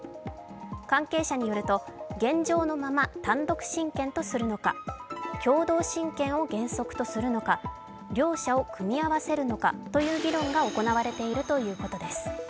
関係者によると、現状のまま単独親権とするのか、共同親権を原則とするのか、両者を組み合わせるのかという議論が行われているということです。